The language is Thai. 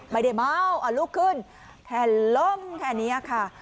ไม่ได้เมาลุกขึ้นแทนล้มแค่นี้ค่ะ